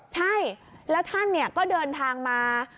ใช่แล้วท่านก็เดินทางมา